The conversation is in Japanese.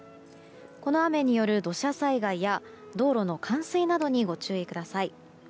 この雨による土砂災害や道路の冠水などにご注意ください。